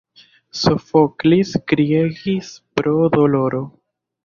Sofoklis kriegis pro doloro.